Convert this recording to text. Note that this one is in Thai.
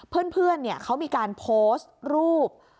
เพื่อนเขามีการโพสต์รูป